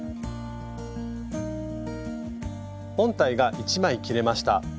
本体が１枚切れました。